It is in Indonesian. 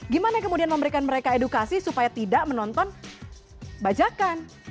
gimana kemudian memberikan mereka edukasi supaya tidak menonton bajakan